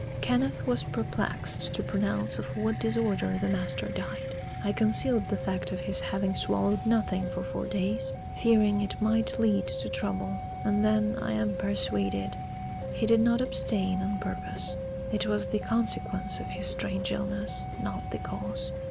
Kenneth was perplexed to pronounce of what disorder the master died. I concealed the fact of his having swallowed nothing for four days, fearing it might lead to trouble; and then, I am persuaded, he did not abstain on purpose: it was the consequence of his strange illness, not the cause.